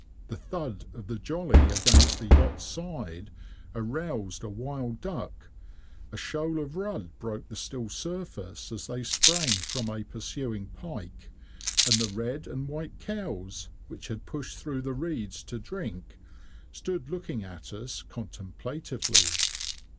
The thud of the jolly against the yacht's side aroused a wild duck; a shoal of rudd broke the still surface, as they sprang from a pursuing pike, and the red and white cows, which had pushed through the reeds to drink, stood looking at us contemplatively.